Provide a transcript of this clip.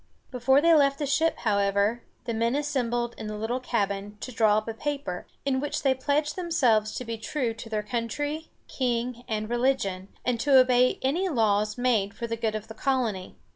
Before they left the ship, however, the men assembled in the little cabin to draw up a paper, in which they pledged themselves to be true to their country, king, and religion, and to obey any laws made for the good of the colony.